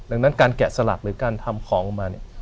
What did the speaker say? ดังนั้นการแกะสลักหรือการทำของออกมาเนี่ย